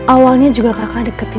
awalnya juga kakak deketi